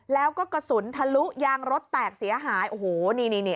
แล้วก็กระสุนทะลุยางรถแตกเสียหายโอ้โหนี่นี่